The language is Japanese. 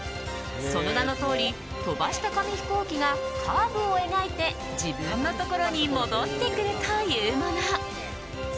その名のとおり飛ばした紙飛行機がカーブを描いて自分のところに戻ってくるというもの。